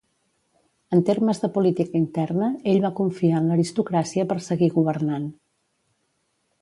En termes de política interna, ell va confiar en l'aristocràcia per seguir governant.